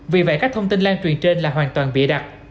vì vậy các thông tin lan truyền trên là hoàn toàn bịa đặt